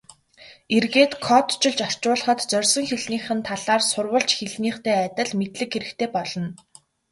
Эргээд кодчилж орчуулахад зорьсон хэлнийх нь талаар сурвалж хэлнийхтэй адил мэдлэг хэрэгтэй болно.